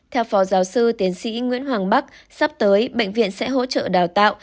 theo phó giáo sư tiến sĩ nguyễn hoàng bắc sắp tới bệnh viện sẽ hỗ trợ đào tạo